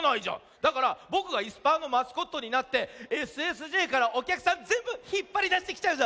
だからぼくがいすパーのマスコットになってＳＳＪからおきゃくさんぜんぶひっぱりだしてきちゃうぞ。